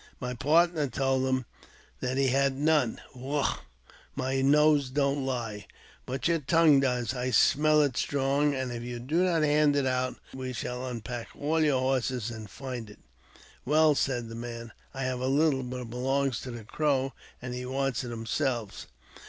m My partner told him that he had none. w " Wugh ! my nose don't lie, but your tongue does. I smell ^ it strong, and if you do not hand it out, we shall unpack all your horses and find it." " Well," said the man, " I have a Httle but it belongs to the Crow, and he wants it himself."